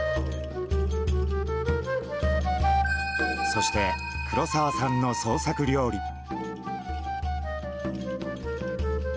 そして黒澤さんの創作料理も。